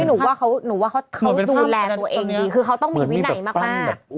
หนูว่าหนูว่าเขาดูแลตัวเองดีคือเขาต้องมีวินัยมาก